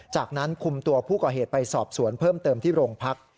จากนั้นคุมตัวผู้ก่อเหตุไปสอบสวนเพิ่มเติมที่โรงพัก